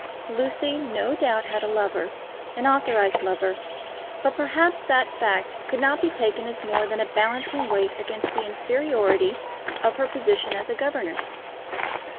Lucy no doubt had a lover, an authorised lover; but perhaps that fact could not be taken as more than a balancing weight against the inferiority of her position as a governess.